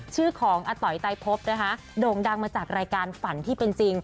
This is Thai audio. ชื่อของอาต๋อยไตพบนะคะโด่งดังมาจากรายการฝันที่เป็นจริง